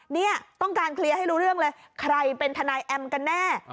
เนี่ยต้องการเคลียร์ให้รู้เรื่องเลยใครเป็นทนายแอมกันแน่